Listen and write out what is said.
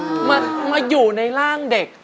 มาอยู่ในร่างเด็ก